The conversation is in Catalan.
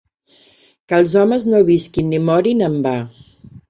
Que els homes no visquin ni morin en va.